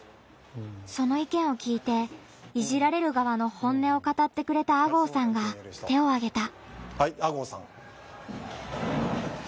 その意見を聞いていじられる側の本音を語ってくれた吾郷さんが手をあげた。